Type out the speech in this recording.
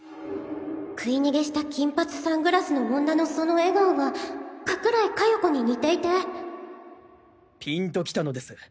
食い逃げした金髪サングラスの女のその笑顔が加倉井加代子に似ていてピンと来たのです。